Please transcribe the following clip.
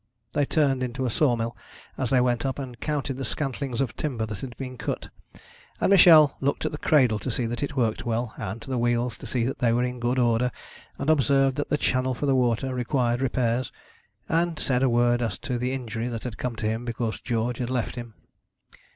They turned into a saw mill as they went up, and counted the scantlings of timber that had been cut; and Michel looked at the cradle to see that it worked well, and to the wheels to see that they were in good order, and observed that the channel for the water required repairs, and said a word as to the injury that had come to him because George had left him.